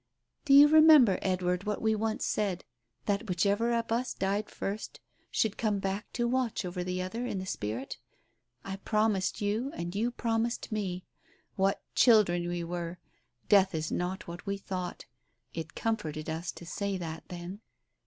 "Do you remember, Edward, what we once said — that whichever of us died first should come back to watch over the other, in the spirit? I promised you, and you promised me. What children we were ! Death is not what we thought. It comforted us to say that then.